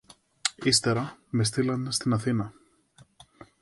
Ύστερα, με στείλανε στην Αθήνα